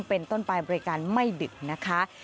เป็นต้นไปบริการไม่ดึกนะคะ